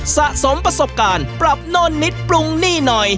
สะสมประสบการณ์ปรับโน่นนิดปรุงหนี้หน่อย